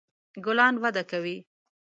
ګلان وده کوي